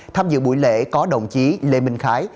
tham dự buổi lễ có đồng chí lê minh khái